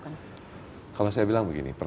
kaya prod sisi baru meluncurkan kehidupan